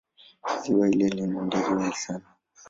Ziwa hili lina ndege wengi sana.